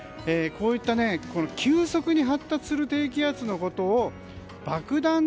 こういった急速に発達する低気圧のことを爆弾